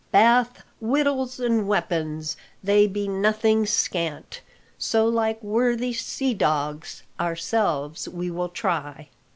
"Bath, wittles an' weapons, they be nothing scant, So like worthy sea dogs ourselves we will try."